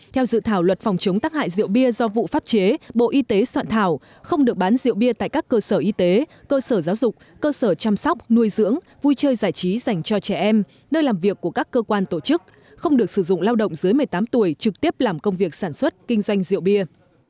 theo dự thảo luật phòng chống tác hại rượu bia do vụ pháp chế bộ y tế soạn thảo không được bán rượu bia tại các cơ sở y tế cơ sở giáo dục cơ sở chăm sóc nuôi dưỡng vui chơi giải trí dành cho trẻ em nơi làm việc của các cơ quan tổ chức không được sử dụng lao động dưới một mươi tám tuổi trực tiếp làm công việc sản xuất kinh doanh rượu bia